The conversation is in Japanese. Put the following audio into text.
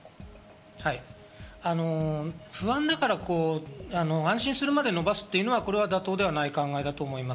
不安だから安心するまで延ばすというのは妥当ではない考えだと思います。